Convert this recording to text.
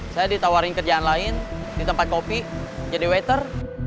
saya ditawarin kerjaan lain di tempat kopi jadi water